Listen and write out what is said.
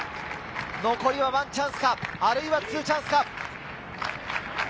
残りはワンチャンスか、あるいはツーチャンスか。